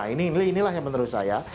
nah inilah yang menurut saya